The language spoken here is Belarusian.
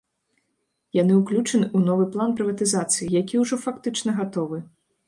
Яны ўключаны у новы план прыватызацыі, які ўжо фактычна гатовы.